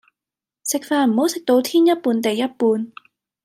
食飯唔好食到天一半地一半